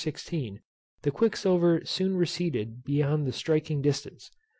16, the quicksilver soon receded beyond the striking distance.